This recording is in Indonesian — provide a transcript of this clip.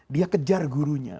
dia kejar gurunya